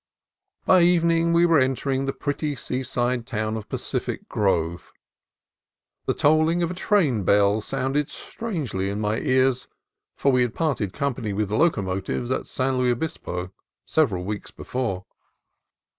MONTEREY 219 By evening we were entering the pretty seaside town of Pacific Grove. The tolling of a train bell sounded strangely in my ears, for we had parted company with locomotives at San Luis Obispo, several weeks before.